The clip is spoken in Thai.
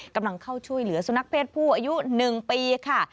กำลังเข้าช่วยเหลือสุนัขเพศผู้อายุ๑ปีค่ะ